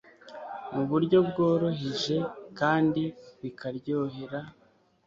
mu buryo bworoheje kandi bikaryohera